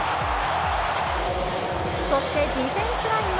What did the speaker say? そしてディフェンスラインの